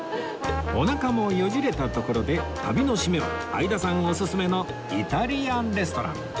おなかもよじれたところで旅の締めは相田さんおすすめのイタリアンレストラン